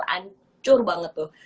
hancur banget tuh